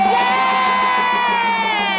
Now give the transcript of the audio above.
เย้